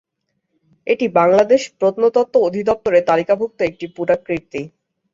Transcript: এটি বাংলাদেশ প্রত্নতত্ত্ব অধিদপ্তরে তালিকাভুক্ত একটি পুরাকীর্তি।